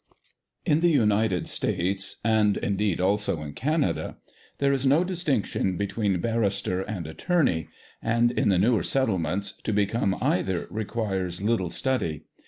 IN the United States (and indeed also ia Canada) there is no distinction between bar rister and attorney, and, in the newer settle ments, to become either requires little study.